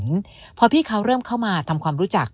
เพราะฉะนั้นพอพี่เขาเริ่มเข้ามาทำความรู้จัก